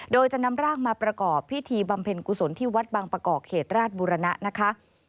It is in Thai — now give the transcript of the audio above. โดยจะนำร่างมาประกอบพิธีบำเพ็ญกุศลที่วัดบางประกอบเขตราชบุรณะนะคะ